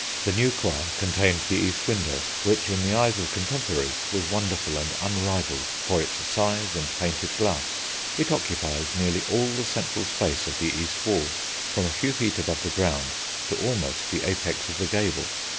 The new choir contained the east window, which in the eyes of contemporaries was wonderful and unrivalled for its size and painted glass. It occupies nearly all the central space of the east wall from a few feet above the ground to almost the apex of the gable.